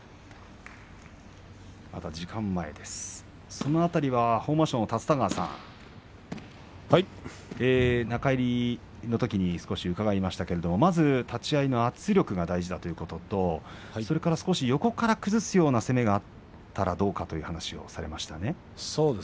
これまで差されて立田川さん中入りのときに少し伺いましたが立ち合いの圧力が大事だということとそれから、横から崩すような攻めがあったらどうかという話をされていました。